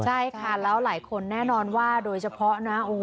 ใช่ค่ะแล้วหลายคนแน่นอนว่าโดยเฉพาะนะ